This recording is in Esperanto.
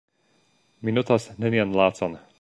Mi notas nenian lacon.